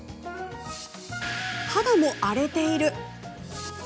肌も荒れている。